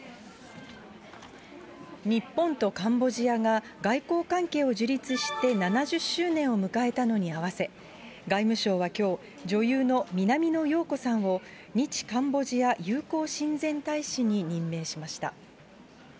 日本とカンボジアが外交関係を樹立して７０周年を迎えたのに合わせ、外務省はきょう、女優の南野陽子さんを、日カンボジア友好親善大使に任命しました。